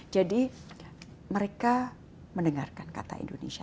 jadi mereka mendengarkan kata indonesia